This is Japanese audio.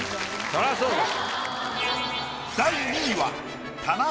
そりゃそうです。